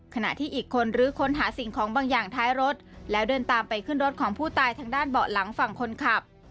ขณะที่อีกคนรื้อค้นหาสิ่งของบางอย่างท้ายรถแล้วเดินตามไปขึ้นรถของผู้ตายทางด้านเบาะหลังฝั่งคนขับ